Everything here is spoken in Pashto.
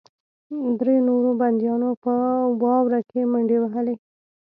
درې نورو بندیانو په واوره کې منډې وهلې